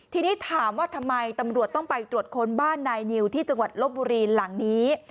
ทีนี้ถามว่าทำไมตำรวจต้องไปตรวจค้นบ้านนายนิวที่จังหวัดลบบุรีหลังนี้